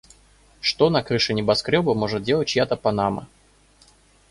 Что на крыше небоскрёба может делать чья-то панама?